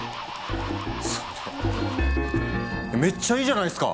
それめっちゃいいじゃないすか！